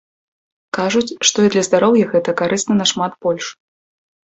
Кажуць, што і для здароўя гэта карысна нашмат больш.